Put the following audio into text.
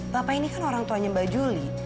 bapak ini kan orang tuanya mbak juli